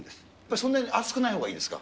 そんなに熱くないほうがいいですか。